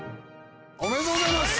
おめでとうございます。